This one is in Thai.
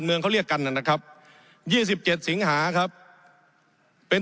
เมืองเขาเรียกกันน่ะนะครับยี่สิบเจ็ดสิงหาครับเป็น